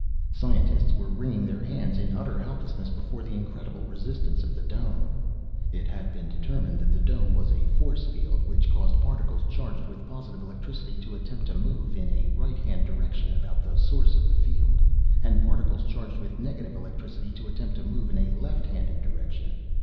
Scientists were wringing their hands in utter helplessness before the incredible resistance of the dome. It had been determined that the dome was a force field which caused particles charged with positive electricity to attempt to move in a right hand direction about the source of the field, and particles charged with negative electricity to attempt to move in a left hand direction.